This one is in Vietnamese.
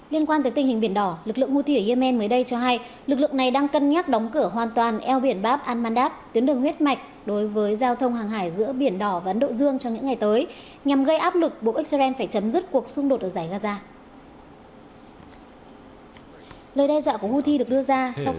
liên quan tới tình hình biển đỏ lực lượng houthi ở yemen mới đây cho hay lực lượng này đang cân nhắc đóng cửa hoàn toàn eo biển bab al mandab tuyến đường huyết mạch đối với giao thông hàng hải giữa biển đỏ và ấn độ dương trong những ngày tới nhằm gây áp lực bộ israel phải chấm dứt cuộc xung đột ở giải gaza